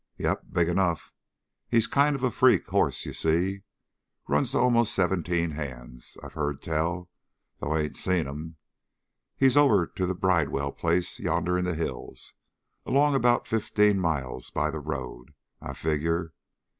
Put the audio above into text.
"Yep. Big enough. He's kind of a freak hoss, you see. Runs to almost seventeen hands, I've heard tell, though I ain't seen him. He's over to the Bridewell place yonder in the hills along about fifteen miles by the road, I figure.